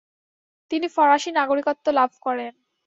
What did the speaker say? তিনি ফরাসি নাগরিকত্ব লাভ করেন।